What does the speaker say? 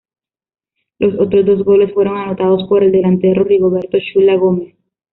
Los otros dos goles fueron anotados por el delantero Rigoberto 'Chula' Gómez.